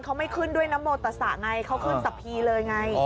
เขาไม่ขึ้นด้วยนโมตสะไงเขาขึ้นสะพีเลยไง